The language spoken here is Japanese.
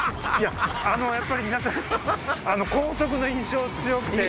やっぱり皆さん高速の印象強くて。